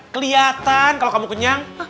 kelihatan kalau kamu kenyang